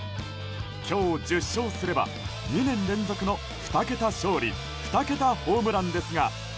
今日１０勝すれば２年連続の２桁勝利２桁ホームランですが。